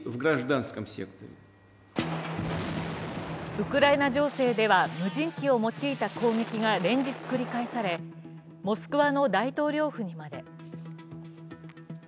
ウクライナ情勢では無人機を用いた攻撃が連日繰り返されモスクワの大統領府にまで。